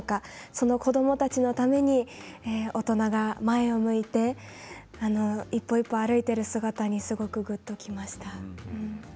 その子どもたちのために大人が前を向いて一歩一歩、歩いている姿にすごく、ぐっときました。